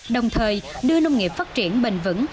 đồng thời đưa nông nghiệp phát triển bình vẩn